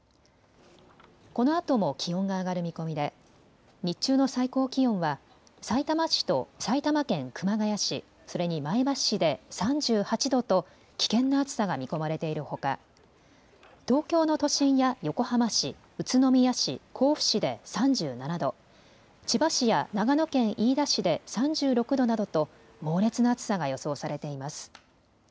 このあとも気温が上がる見込みで日中の最高気温はさいたま市と埼玉県熊谷市、それに前橋市で３８度と危険な暑さが見込まれているほか東京の都心や横浜市、宇都宮市、甲府市で３７度、千葉市や長野県飯田市で３６度などと猛烈な暑さが予想されています。